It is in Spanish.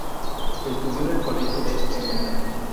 Estudió en el Colegio de Mr.